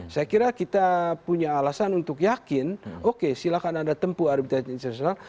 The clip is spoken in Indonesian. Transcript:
saya kira kita punya alasan untuk yakin oke silahkan anda tempuh arbitan internasional